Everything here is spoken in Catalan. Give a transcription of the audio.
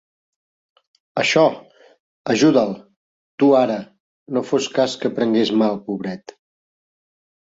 Això, ajuda'l, tu ara, no fos cas que prengués mal, pobret.